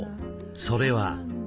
それは。